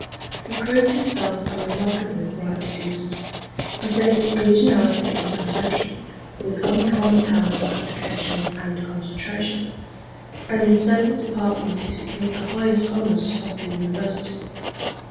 He proved himself a remarkably bright student, possessing originality of conception, with uncommon powers of application and concentration; and in several departments he secured the highest honors of the University.